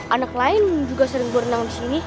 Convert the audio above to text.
anak lain juga sering berenang di sini